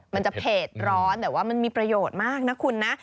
มันจะเผ็ดร้อนแต่ว่ามันมีประโยชน์มากนะคุณนะ